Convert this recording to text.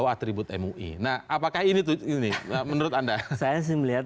dari ketua presiden tadi sudah groove dancompl vip kan